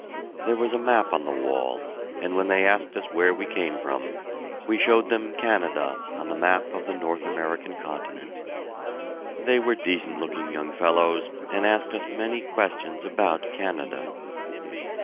There was a map on the wall, and when they asked us where we came from, we showed them Canada on the map of the North American Continent. They were decent looking young fellows and asked us many questions about Canada.